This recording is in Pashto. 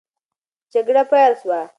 جګړه پیل سوه.